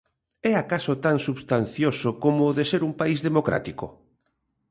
É acaso tan substancioso como o de ser un país democrático?